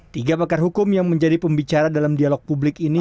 tiga pakar hukum yang menjadi pembicara dalam dialog publik ini